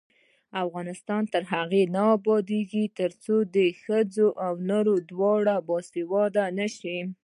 افغانستان تر هغو نه ابادیږي، ترڅو ښځینه او نارینه دواړه باسواده نشي.